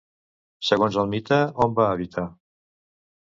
Segons el mite, on va habitar?